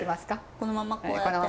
このままこうやって？